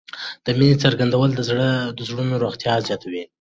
د مینې څرګندول د زړونو روغتیا زیاتوي.